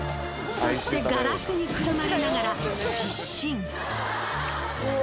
そしてガラスにくるまれながら失神。